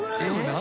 何？